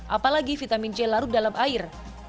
apalagi vitamin c larut dalam air